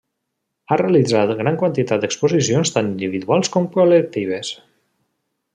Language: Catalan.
Ha realitzat gran quantitat d'exposicions tant individuals com col·lectives.